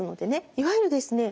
いわゆるですね